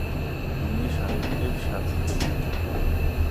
তিনি সাহিত্যের ছাত্রী।